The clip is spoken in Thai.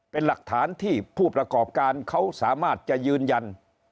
เป็นหลักฐานที่ผู้ประกอบการเขาสามารถจะยืนยัน